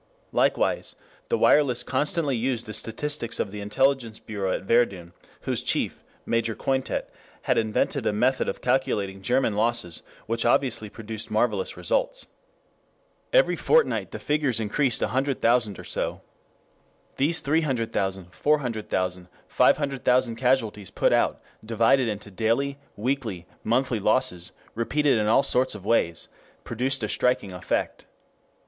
Likewise the wireless constantly used the statistics of the intelligence bureau at Verdun, whose chief, Major Cointet, had invented a method of calculating German losses which obviously produced marvelous results. Every fortnight the figures increased a hundred thousand or so. These 300,000, 400,000, 500,000 casualties put out, divided into daily, weekly, monthly losses, repeated in all sorts of ways, produced a striking effect.